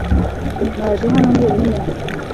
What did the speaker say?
Naje hano njyenyine